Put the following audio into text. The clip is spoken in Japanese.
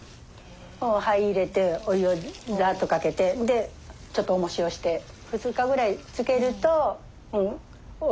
灰入れてお湯をザッとかけてちょっとおもしをして２日くらいつけるとおいしい。